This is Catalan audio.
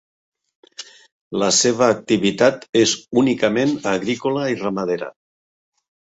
La seva activitat és únicament agrícola i ramadera.